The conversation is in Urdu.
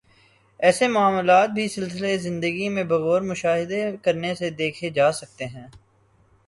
ایسے معاملات بھی سلسلہ زندگی میں بغور مشاہدہ کرنے سے دیکھے جا سکتے ہیں